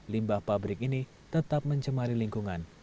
limbah pabrik ini tetap mencemari lingkungan